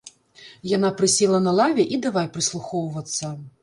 Яна прысела на лаве і давай прыслухоўвацца.